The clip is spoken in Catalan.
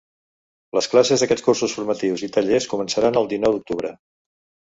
Les classes d’aquests cursos formatius i tallers començaran el dinou d’octubre.